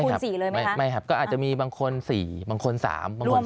เลยไหมไม่ครับก็อาจจะมีบางคน๔บางคน๓บางคน